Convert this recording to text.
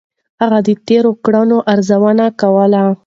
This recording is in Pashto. هغه د تېرو کړنو ارزونه کوله.